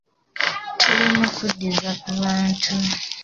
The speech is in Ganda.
Tuli mu kuddiza ku bantu.